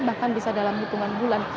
bahkan bisa dalam hitungan bulan